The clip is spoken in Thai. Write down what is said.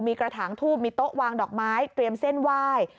มีกระถางทูบมีโต๊ะวางดอกไม้เตรียมเส้นไหว้